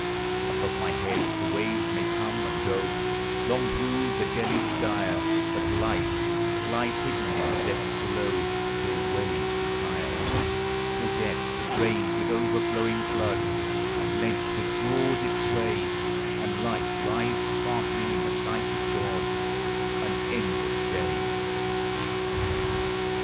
Above my head (he waves may come and go, Long brood the deluge dire, But life lies hidden in the depths below Till waves re1 ire, — Till death, that reigns with overflowing flood, At length withdraw its sway, And life 1 rise sparkling in the sight of (iod An endless day.